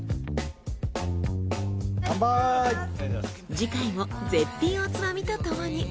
次回も絶品おつまみとともに。